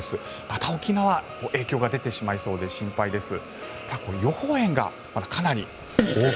また沖縄影響が出てしまいそうで心配です。